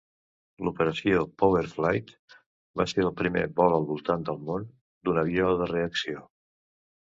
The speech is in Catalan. L'Operació Power-Flite va ser el primer vol al voltant del món d'un avió de reacció.